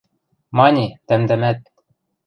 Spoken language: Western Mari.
– Мане, тӓмдӓмӓт.